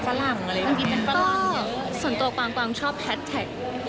ก็ส่วนตัวกวางชอบแฮชแท็ก